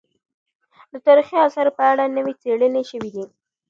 د تاريخي اثارو په اړه نوې څېړنې شوې دي.